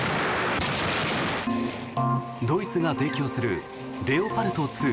ドイツが提供するレオパルト２。